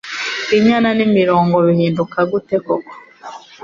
Injyana n'imirongo bihinduka gute koko